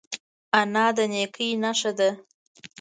انا د نیکۍ نښه ده